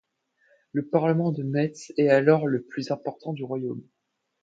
Le parlement de Metz est alors le plus important du Royaume.